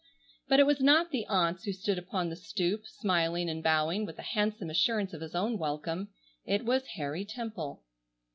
But it was not the aunts who stood upon the stoop, smiling and bowing with a handsome assurance of his own welcome. It was Harry Temple.